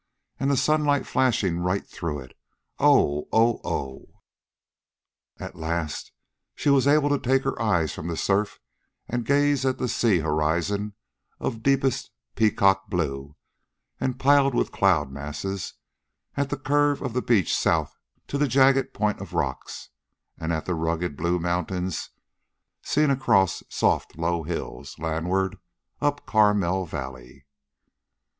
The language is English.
And the sunlight flashing right through it! Oh! Oh! Oh!" At last she was able to take her eyes from the surf and gaze at the sea horizon of deepest peacock blue and piled with cloud masses, at the curve of the beach south to the jagged point of rocks, and at the rugged blue mountains seen across soft low hills, landward, up Carmel Valley.